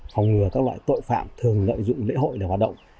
phòng ngừa các loại tội phạm thường lợi dụng lễ hội để hoạt động